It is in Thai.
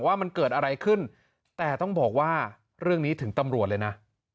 ว่ามันเกิดอะไรขึ้นแต่ต้องบอกว่าเรื่องนี้ถึงตำรวจเลยนะ